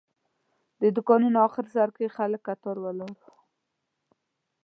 د دوکانونو آخر سر کې خلک کتار ولاړ وو.